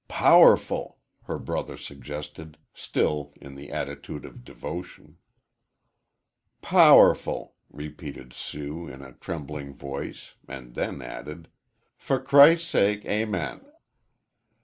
"Powerful," her brother suggested, still in the attitude of devotion. "Powerful," repeated Sue, in a trembling voice, and then added: "for Christ's sake. Amen."